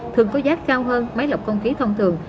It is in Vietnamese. thường có giá cao hơn mấy lọc không khí thông thường